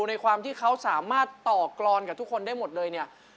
ในความที่เขาสามารถต่อกรอนกับทุกคนได้หมดเลยเนี่ย